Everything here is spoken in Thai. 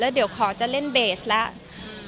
เดี๋ยวขอจะเล่นเบสแล้ว